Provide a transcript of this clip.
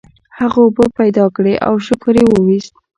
هغه اوبه پیدا کړې او شکر یې وویست.